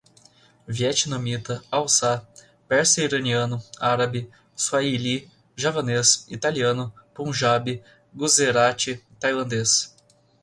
Vietnamita, hauçá, persa iraniano, árabe, suaíli, javanês, italiano, punjabi, guzerate, tailandês